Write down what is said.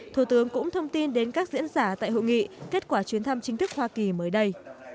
thủ tướng cũng thông tin đến các diễn giả tại hội nghị kết quả chuyến thăm chính thức hoa kỳ mới đây